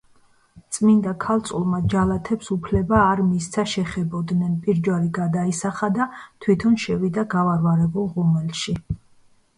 წმინდა ქალწულმა ჯალათებს უფლება არ მისცა, შეხებოდნენ, პირჯვარი გადაისახა და თვითონ შევიდა გავარვარებულ ღუმელში.